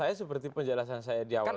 kalau saya seperti penjelasan saya di awal tadi